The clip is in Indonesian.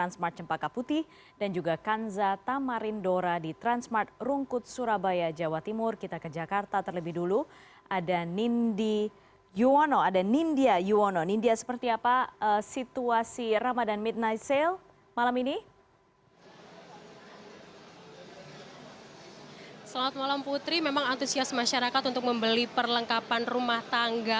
selamat malam putri memang antusias masyarakat untuk membeli perlengkapan rumah tangga